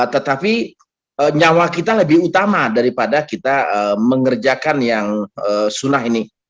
tetapi nyawa kita lebih utama daripada kita mengerjakan yang sunnah ini